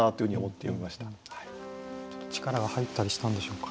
ちょっと力が入ったりしたんでしょうか。